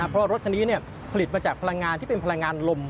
เพราะรถคันนี้ผลิตมาจากพลังงานที่เป็นพลังงานลม